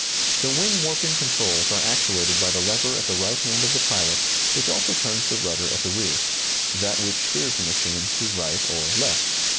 The wing warping controls are actuated by the lever at the right hand of the pilot, which also turns the rudder at the rear that which steers the machine to right or to left.